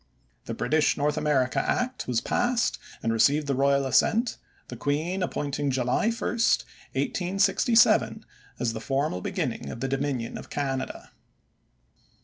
The British North America Act was passed, and received the royal assent, the queen appointing July 1, 1867 as the formal beginning of the Dominion of Canada.